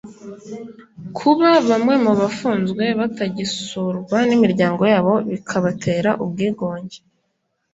Kuba bamwe mu bafunzwe batagisurwa n imiryango yabo bikabatera ubwigunge